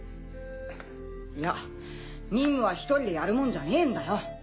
いや任務は一人でやるもんじゃねえんだよ。